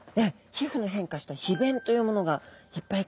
皮膚の変化した皮弁というものがいっぱい